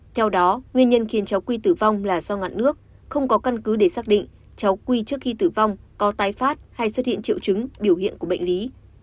theo đó nguyên nhân khiến cháu quy tử vong là do ngạn nước không có căn cứ để xác định cháu quy trước khi tử vong có tái phát hay xuất hiện triệu chứng biểu hiện của bệnh lý